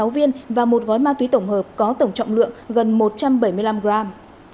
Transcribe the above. một trăm bốn mươi sáu viên và một gói ma túy tổng hợp có tổng trọng lượng gần một trăm bảy mươi năm gram